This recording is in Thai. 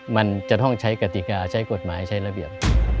มันจะต้องใช้กติกาใช้กฎหมายใช้ระเบียบ